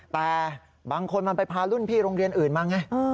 แต่บางคนมันไปพารุ่นพี่โรงเรียนอื่นมาไง